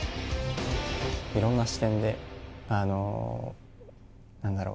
いろんな視点でなんだろう